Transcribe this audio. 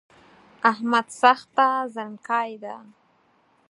احمد سخته زڼکای ده